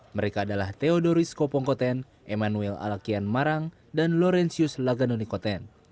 mereka adalah theodoris kopongkoten emmanuel alakian marang dan laurentius laganonikoten